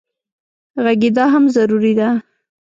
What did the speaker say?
غږېدا هم ضروري ده.